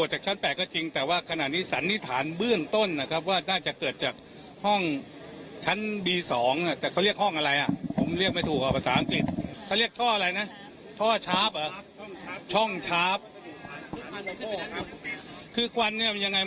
ถ้ามีคุณสถิตินักขนาดนี้ก็ยังไม่ทราบสาเหตุที่แท้จริง